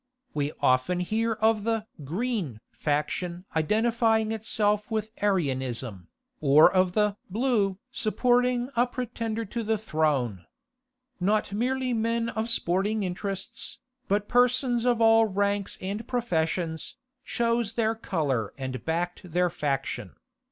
We often hear of the "Green" faction identifying itself with Arianism, or of the "Blue" supporting a pretender to the throne. Not merely men of sporting interests, but persons of all ranks and professions, chose their colour and backed their faction.